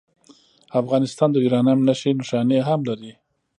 افغانستان د یورانیم نښې نښانې هم لري.